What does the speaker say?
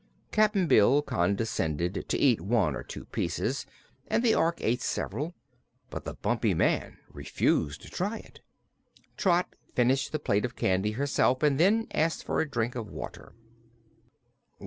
Cap'n Bill condescended to eat one or two pieces and the Ork ate several, but the Bumpy Man refused to try it. Trot finished the plate of candy herself and then asked for a drink of water.